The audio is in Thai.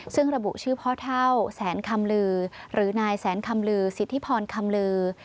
ซึ่งระบุชื่อพ่อเท่าแสนคำลือหรือนายแสนคำลือสิทธิพรคำลือ